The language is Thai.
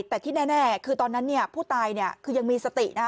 แต่ที่แน่คือตอนนั้นผู้ตายคือยังมีสตินะ